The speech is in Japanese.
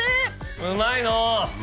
うまいのう。